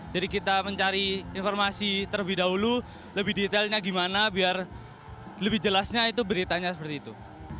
kita mencari informasi terlebih dahulu lebih detailnya gimana biar lebih jelasnya itu beritanya seperti itu